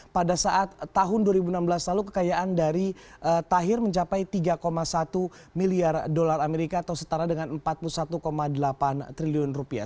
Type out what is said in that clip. pada saat tahun dua ribu enam belas lalu kekayaan dari tahir mencapai tiga satu miliar dolar amerika atau setara dengan empat puluh satu delapan triliun rupiah